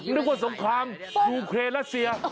นึกว่าสงครามจุเครียดแล้วเสีย